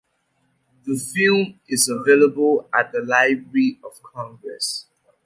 The film is available at the Library of Congress.